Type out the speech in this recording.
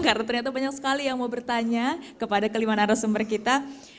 karena ternyata banyak sekali yang mau bertanya kepada kelimahan arasumber kita